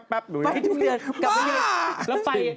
ไปทุกเดือนกับเงี้ย